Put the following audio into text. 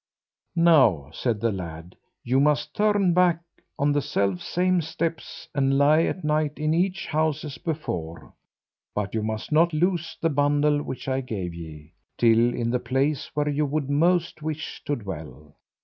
Now," said the lad, "you must turn back on the self same steps, and lie a night in each house as before; but you must not loose the bundle which I gave ye, till in the place where you would most wish to dwell."